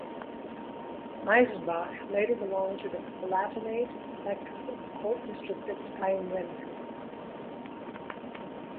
Miesenbach later belonged to the Palatinate Electorate and the court district of Steinwenden.